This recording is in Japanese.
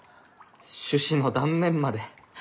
種子の断面まで。